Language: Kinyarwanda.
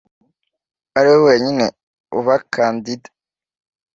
ari we wenyine uba kandida